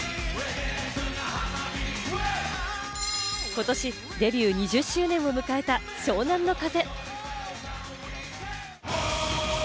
ことしデビュー２０周年を迎えた湘南乃風。